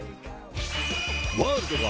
ワールドが。